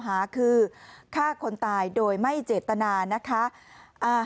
หาคือฆ่าคนตายโดยไม่เจตนานะคะ